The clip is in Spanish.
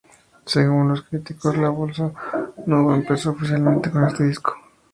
Según los críticos, la bossa nova empezó oficialmente con este disco.